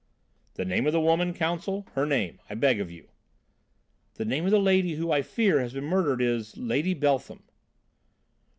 "The name of the woman, counsel, her name, I beg of you?" "The name of the woman who, I fear, has been murdered is Lady Beltham!"